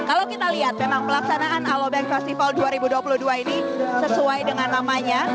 kalau kita lihat memang pelaksanaan alobank festival dua ribu dua puluh dua ini sesuai dengan namanya